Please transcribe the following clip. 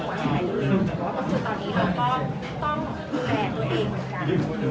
เพราะว่าตอนนี้เราก็ต้องดูแลตัวเองเหมือนกัน